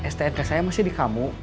strd saya masih di kamu